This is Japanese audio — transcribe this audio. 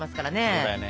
そうだよね。